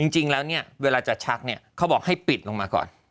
จริงแล้วเนี่ยเวลาจะชักเนี่ยเขาบอกให้ปิดลงมาก่อน